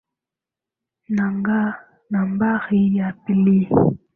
Nambari ya pili.